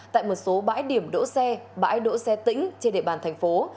tại một số bãi điểm đỗ xe bãi đỗ xe tĩnh trên địa bàn thành phố